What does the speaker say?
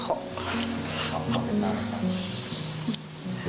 ขอเป็นอะไรครับ